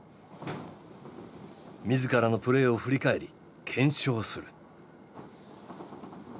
自らのプレーを振り返り検証する。